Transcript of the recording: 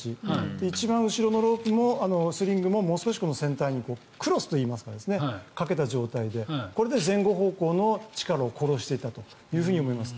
一番後ろのロープもスリングももう少し船体にクロスといいますかかけた状態でこれで前後方向の力を殺していたと思います。